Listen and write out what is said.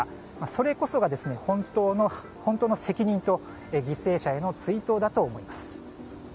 それこそが本当の責任と犠牲者への追悼だと思います。